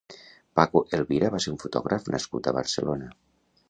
Paco Elvira va ser un fotògraf nascut a Barcelona.